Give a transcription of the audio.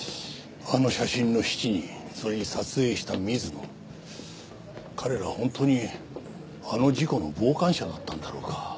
あの写真の７人それに撮影した水野彼らは本当にあの事故の傍観者だったんだろうか？